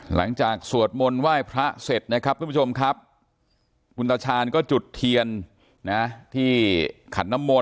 หลังจากสวดมลว่ายพระเจ็ดนะครับกรุ่มชมครับผู้นักจานก็จุดเทียนนะที่ขับ